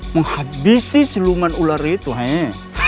menghabisi si luman ular itu hei